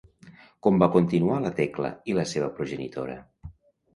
Com van continuar la Tecla i la seva progenitora?